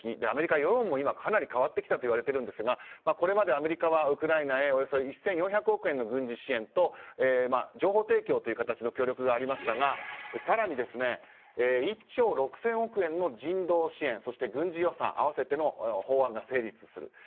アメリカ世論も今かなり変わってきたといわれているんですがこれまでアメリカはウクライナへおよそ１４００億円の軍事支援と情報提供という形の協力がありましたが更に１兆６０００億円の人道支援そして軍事予算合わせての法案が成立する。